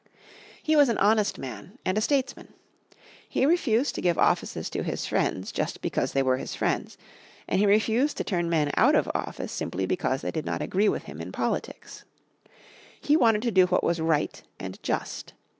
He was an honest man and a statesman. He refused to give offices to his friends just because they were his friends, and he refused to turn men out of office simply because they did not agree with him in politics. He wanted to do what was right and just.